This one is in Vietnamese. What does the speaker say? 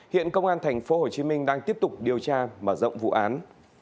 hiện công an tp hcm đang tiếp tục điều tra mở rộng vụ án